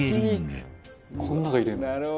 「この中に入れる？」